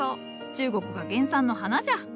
中国が原産の花じゃ。